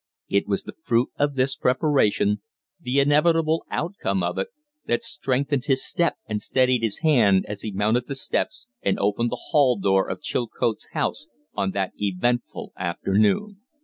It was the fruit of this preparation, the inevitable outcome of it, that strengthened his step and steadied his hand as he mounted the steps and opened the hall door of Chilcote's house on that eventful afternoon.